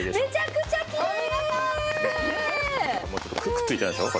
くっついてないでしょ？